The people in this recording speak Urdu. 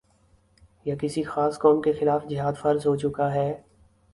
یا کسی خاص قوم کے خلاف جہاد فرض ہو چکا ہے